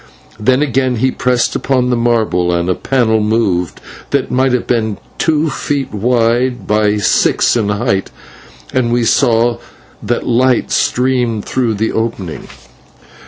Then again he pressed upon the marble, and a panel moved that might have been two feet wide by six in height, and we saw that light streamed through the opening.